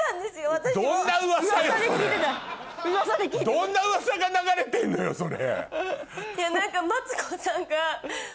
どんなウワサが流れてんのよそれ。